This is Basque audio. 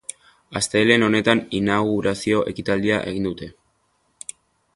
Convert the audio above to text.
Astelehen honetan inaugurazio ekitaldia egin dute.